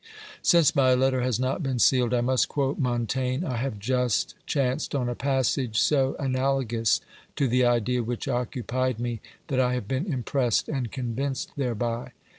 Since my letter has not been sealed, I must quote Montaigne. I have just chanced on a passage so ana logous to the idea which occupied me that I have been impressed and convinced thereby.